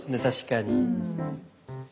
確かに。